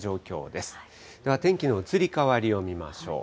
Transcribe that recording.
では天気の移り変わりを見ましょう。